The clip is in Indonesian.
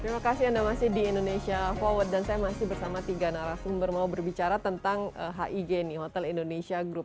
terima kasih anda masih di indonesia forward dan saya masih bersama tiga narasumber mau berbicara tentang hig nih hotel indonesia group